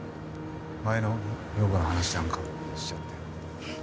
前の女房の話なんかしちゃって。